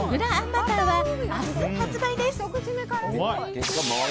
バターは明日発売です！